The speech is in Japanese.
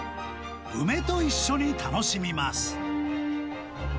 梅と一緒に楽しみます。